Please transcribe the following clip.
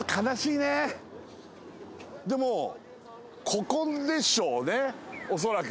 でもここでしょうね恐らく。